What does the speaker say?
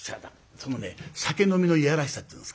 そのね酒飲みの嫌らしさっていうんですか？